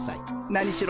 何しろ